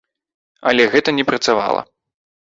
Але гэта не працавала.